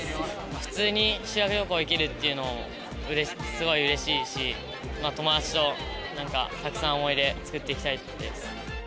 普通に修学旅行行けるっていうのうれしい、すごいうれしいし、友達となんか、たくさん思い出作っていきたいです。